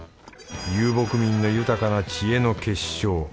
遊牧民の豊かな知恵の結晶。